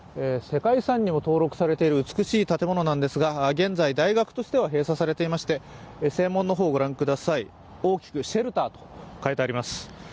世界遺産にも登録されている美しい建物なんですが現在、大学としては閉鎖されていまして正門の方を御覧ください、大きくシェルターと書いてあります。